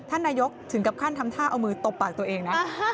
ท่านนายกถึงกับขั้นทำท่าเอามือตบปากตัวเองนะ